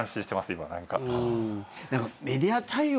今何か。